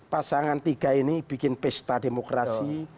pasangan tiga ini bikin pesta demokrasi